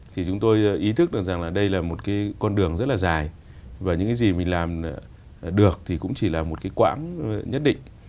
thì chúng tôi ý thức rằng đây là một con đường rất là dài và những gì mình làm được thì cũng chỉ là một quãng nhất định